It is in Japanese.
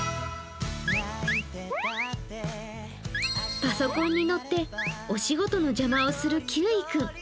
パソコンに乗ってお仕事の邪魔をするキウイ君。